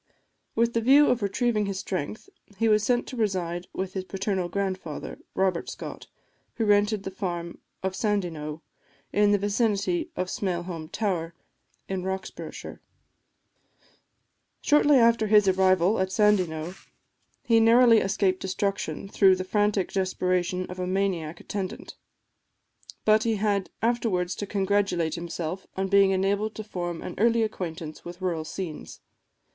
With the view of retrieving his strength, he was sent to reside with his paternal grandfather, Robert Scott, who rented the farm of Sandyknowe, in the vicinity of Smailholm Tower, in Roxburghshire. Shortly after his arrival at Sandyknowe, he narrowly escaped destruction through the frantic desperation of a maniac attendant; but he had afterwards to congratulate himself on being enabled to form an early acquaintance with rural scenes.